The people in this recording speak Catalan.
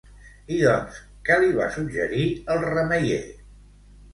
I doncs, què li va suggerir el remeier?